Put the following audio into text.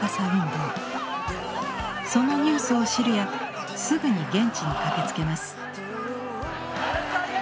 そのニュースを知るやすぐに現地に駆けつけます。